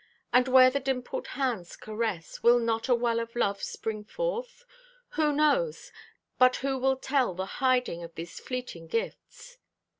And where the dimpled hands caress, Will not a well of love spring forth? Who knows, but who will tell The hiding of these fleeting gifts!